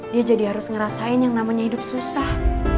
dia jadi harus ngerasain yang namanya hidup susah